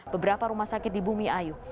beberapa rumah sakit di bumiayu